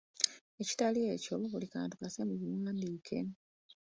Ekitali ekyo, buli kantu kasse mu buwandiike.